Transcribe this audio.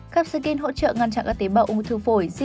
cắp sạc kênh hỗ trợ ngăn chặn các tế bào ung thư phổi